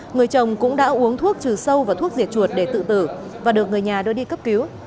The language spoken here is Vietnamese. người chồng cũng đã uống thuốc trừ sâu vào thuốc diệt chuột để tự tử và được người nhà đưa đi cấp cứu